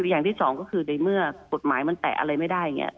อย่างที่สองก็คือในเมื่อกฎหมายมันแตะอะไรไม่ได้อย่างนี้